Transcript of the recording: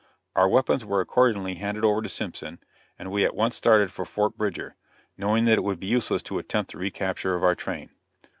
Our weapons were accordingly handed over to Simpson, and we at once started for Fort Bridger, knowing that it would be useless to attempt the recapture of our train.